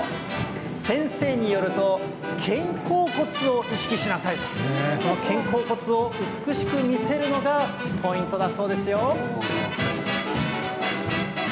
先生によると、肩甲骨を意識しなさいと、肩甲骨を美しく見せるのがポイントだそうですよ。